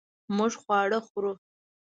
مونږ خواړه خورو